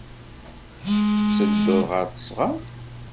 Tettedduḍ ɣer teɣsert?